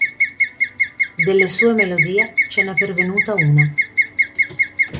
Delle sue melodie ce ne è pervenuta una.